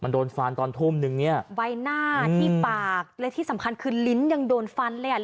มันโดนฟันตอนทุ่มหนึ่งเนี้ยใบหน้าที่ปากและที่สำคัญคือลิ้นยังโดนฟันเลยอ่ะ